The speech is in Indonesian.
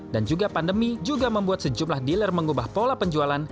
dan juga pandemi juga membuat sejumlah dealer mengubah pola penjualan